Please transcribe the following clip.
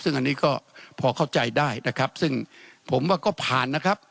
ซึ่งอันนี้ก็พอเข้าใจได้นะครับซึ่งผมว่าก็ผ่านนะครับ